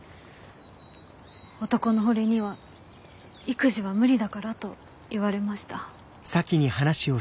男の俺には育児は無理だからと言われました。